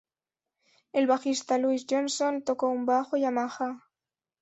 El bajista Louis Johnson tocó un bajo Yamaha.